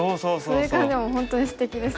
それがでも本当にすてきですよね。